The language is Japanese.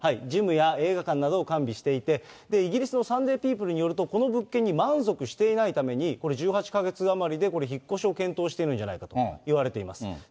ジムや映画館などを完備していて、イギリスのサンデー・ピープルによると、この物件に満足していないために、これ、１８か月余りで引っ越しを検討しているんじゃないかといわれています。